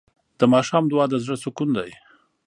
د ماښام دعا د زړه سکون دی.